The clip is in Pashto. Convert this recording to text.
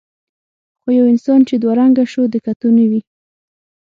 خو یو انسان چې دوه رنګه شو د کتو نه وي.